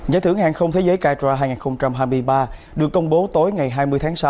giải thưởng hàng không thế giới cara hai nghìn hai mươi ba được công bố tối ngày hai mươi tháng sáu